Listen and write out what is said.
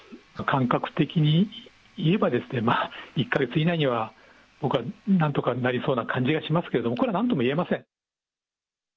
感覚的にいえばですね、まあ１か月以内には、僕はなんとかなりそうな感じがしますけども、これはなんともいえません。